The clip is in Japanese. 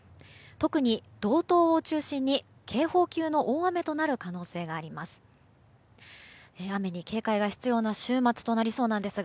特に、道東を中心に警報級の大雨となる可能性があります。